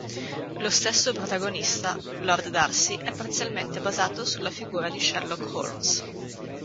Lo stesso protagonista, Lord Darcy, è parzialmente basato sulla figura di Sherlock Holmes.